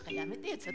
ちょっと。